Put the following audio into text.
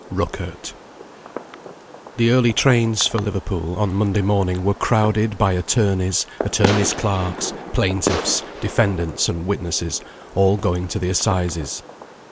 RÜCKERT. The early trains for Liverpool, on Monday morning, were crowded by attorneys, attorneys' clerks, plaintiffs, defendants, and witnesses, all going to the Assizes.